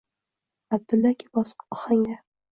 Abdulla aka bosiq ohangda: